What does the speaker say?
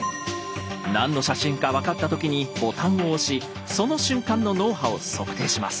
何の写真か分かった時にボタンを押しその瞬間の脳波を測定します。